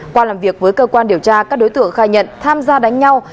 qua làm việc với cơ quan điều tra các đối tượng khai nhận tham gia đánh nhau